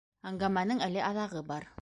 Әңгәмәнең әле аҙағы бар.